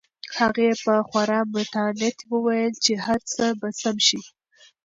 هغې په خورا متانت وویل چې هر څه به سم شي.